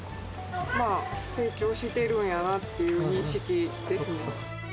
まあ、成長してるんやなっていう認識ですね。